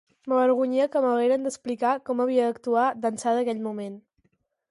M'avergonyia que m'hagueren d'explicar com havia d'actuar d'ençà d'aquell moment.